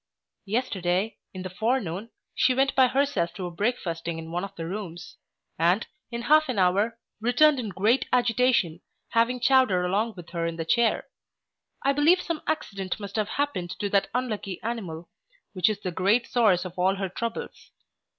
Yesterday, in the forenoon, she went by herself to a breakfasting in one of the rooms; and, in half an hour, returned in great agitation, having Chowder along with her in the chair. I believe some accident must have happened to that unlucky animal, which is the great source of all her troubles.